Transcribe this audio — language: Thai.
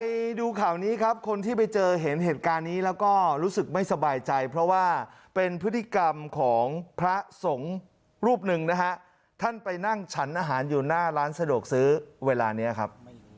ไปดูข่าวนี้ครับคนที่ไปเจอเห็นเหตุการณ์นี้แล้วก็รู้สึกไม่สบายใจเพราะว่าเป็นพฤติกรรมของพระสงฆ์รูปหนึ่งนะฮะท่านไปนั่งฉันอาหารอยู่หน้าร้านสะดวกซื้อเวลานี้ครับ